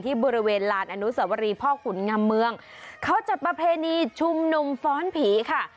บริเวณลานอนุสวรีพ่อขุนงำเมืองเขาจัดประเพณีชุมนุมฟ้อนผีค่ะ